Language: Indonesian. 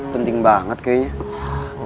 penting banget kayaknya